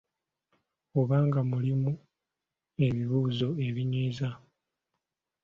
Oba nga mulimu ebibuuzo ebinyiiza